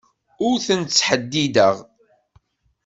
Ur ten-ttḥeddideɣ.